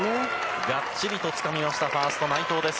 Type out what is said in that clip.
がっちりとつかみました、ファースト、内藤です。